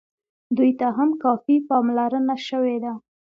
دوی ته هم کافي پاملرنه شوې ده.